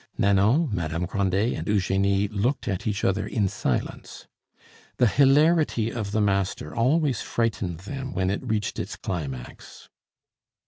Nanon, Madame Grandet, and Eugenie looked at each other in silence. The hilarity of the master always frightened them when it reached its climax.